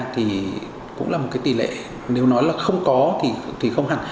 thì cũng là một cái tỷ lệ nếu nói là không có thì không hẳn